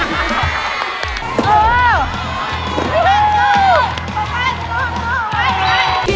ขอบคุณค่ะ